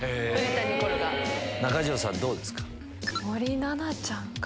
中条さん、どうですか。